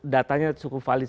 datanya cukup valid